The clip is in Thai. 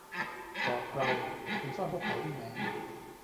บอกเรา - คุณซ่อนพวกเขาที่ไหน